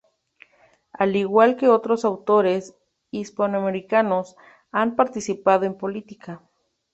Al igual que otros autores hispanoamericanos, ha participado en política.